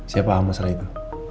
saya paham masalah itu